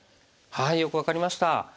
よく分かりました。